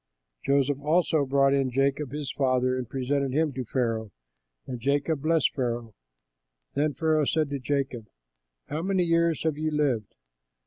Joseph also brought in Jacob his father and presented him to Pharaoh; and Jacob blessed Pharaoh. Then Pharaoh said to Jacob, "How many years have you lived?"